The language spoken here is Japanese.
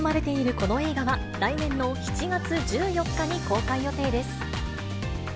この映画は、来年の７月１４日に公開予定です。